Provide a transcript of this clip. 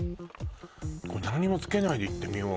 これ何もつけないでいってみよう